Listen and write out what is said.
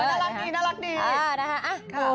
น่ารักดี